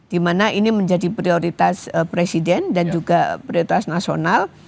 di mana ini menjadi prioritas presiden dan juga prioritas nasional